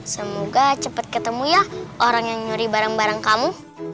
semoga cepat ketemu ya orang yang nyuri barang barang kamu